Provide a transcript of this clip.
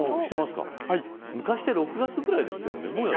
昔って６月くらいでしたよね。